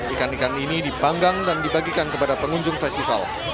ikan ikan ini dipanggang dan dibagikan kepada pengunjung festival